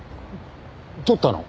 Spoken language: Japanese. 取ったの？